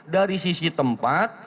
dari sisi tempat